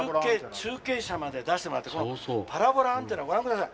中継車まで出してもらってこのパラボラアンテナご覧下さい。